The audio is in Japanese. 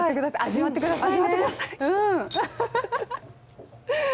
味わってくださいね。